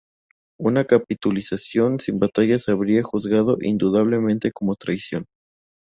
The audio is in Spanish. Una capitulación sin batalla se habría juzgado indudablemente como traición.